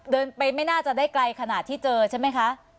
เดินไปไม่น่าจะได้ไกลขนาดที่เจอใช่ไหมคะ